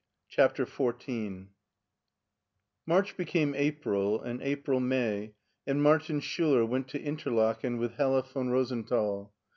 CI^APTER Xiy MARCH became April, and April May, and Martin Schiiler went to Interiaken with Hella von Rosenthal.